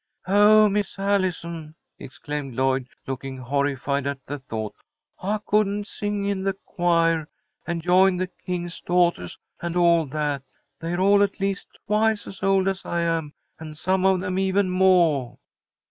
"Oh, Miss Allison!" exclaimed Lloyd, looking horrified at the thought. "I couldn't sing in the choir and join the King's Daughtahs and all that. They're all at least twice as old as I am, and some of them even moah."